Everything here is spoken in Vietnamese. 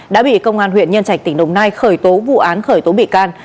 đã bị công an huyện nhân trạch tỉnh đồng nai khởi tố vụ án khởi tố bị can